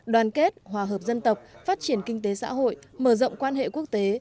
đoàn kết hòa hợp dân tộc phát triển kinh tế xã hội mở rộng quan hệ quốc tế